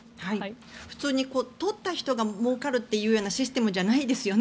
普通に取った人がもうかるというシステムじゃないですよね。